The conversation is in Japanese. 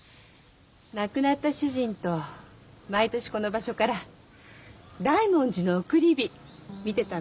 亡くなった主人と毎年この場所から大文字の送り火見てたの。